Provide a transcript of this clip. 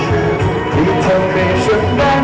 ขอบคุณทุกเรื่องราว